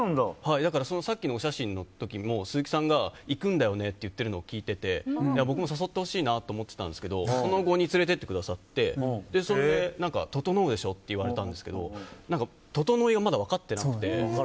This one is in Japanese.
だから、さっきのお写真の時も鈴木さんが行くんだよねって言ってるのを聞いてて僕も誘ってほしいなって思ってたんですけどその後に連れて行ってくださってそれで整うでしょって言われたんですけど整いがまだ分かってなくて。